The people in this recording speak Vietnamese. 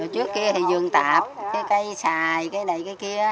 trước kia thì dường tạp cây xài cây này cây kia